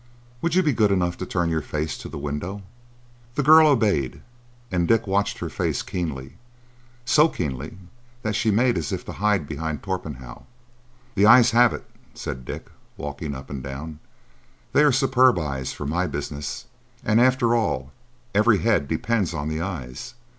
Would you be good enough to turn your face to the window?" The girl obeyed, and Dick watched her face keenly,—so keenly that she made as if to hide behind Torpenhow. "The eyes have it," said Dick, walking up and down. "They are superb eyes for my business. And, after all, every head depends on the eyes.